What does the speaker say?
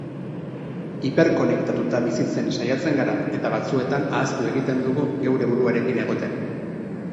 Hiperkonektatuta bizitzen saiatzen gara, eta batzuetan ahaztu egiten dugu geure buruarekin egoten.